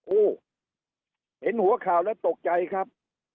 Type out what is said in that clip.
เห็นหัวข่าวแล้วตกใจครับ